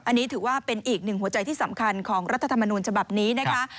อันนี้ถือว่าเป็นอีกหนึ่งหัวใจที่สำคัญของรัฐธรรมนูญฉบับนี้นะคะ